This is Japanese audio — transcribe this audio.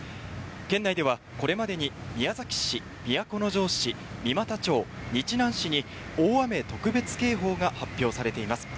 県内では、これまでに宮崎市、都城市、三股町、日南市に大雨特別警報が発表されています。